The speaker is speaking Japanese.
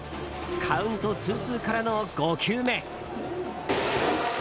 カウントツーツーからの５球目。